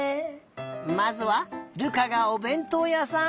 まずは瑠珂がおべんとうやさん。